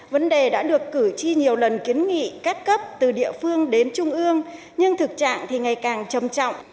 vấn đề đã được cử tri nhiều lần kiến nghị các cấp từ địa phương đến trung ương nhưng thực trạng thì ngày càng trầm trọng